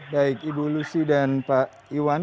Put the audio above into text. baik ibu lucy dan pak iwan